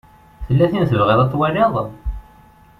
Tella tin i tebɣiḍ ad twaliḍ?